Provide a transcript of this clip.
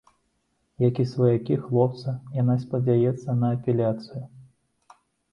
Як і сваякі хлопца, яна спадзяецца на апеляцыю.